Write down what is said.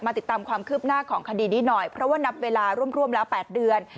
ติดตามความคืบหน้าของคดีนี้หน่อยเพราะว่านับเวลาร่วมแล้ว๘เดือน